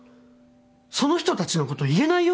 その人たちのこと言えないよ？